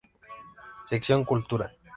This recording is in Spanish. Sección Cultura.